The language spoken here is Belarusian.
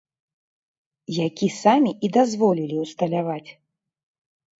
Які самі і дазволілі ўсталяваць.